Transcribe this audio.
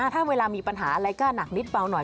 ถ้าเวลามีปัญหาอะไรก็หนักนิดเบาหน่อย